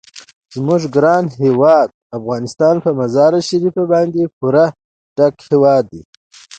زموږ ګران هیواد افغانستان په مزارشریف باندې پوره ډک هیواد دی.